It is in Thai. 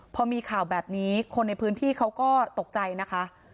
พอมีข่าวแบบนี้คนในพื้นที่เขาก็ตกใจนะคะ